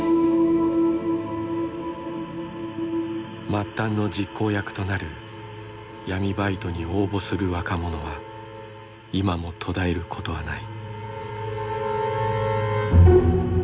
末端の実行役となる闇バイトに応募する若者は今も途絶えることはない。